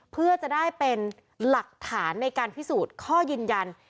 เพื่อจะได้เป็นหลักฐานในการพิสูจน์ข้อยืนยัน